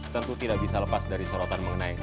tentu tidak bisa lepas dari sorotan mengenai